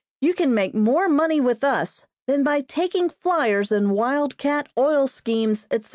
You can make more money with us than by taking flyers in wild cat oil schemes, etc."